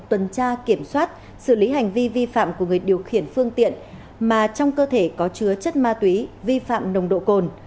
tuần tra kiểm soát xử lý hành vi vi phạm của người điều khiển phương tiện mà trong cơ thể có chứa chất ma túy vi phạm nồng độ cồn